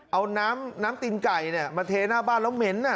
เอาน้ำน้ำตินไก่เนี่ยมาเทหน้าบ้านแล้วเหม็นอ่ะ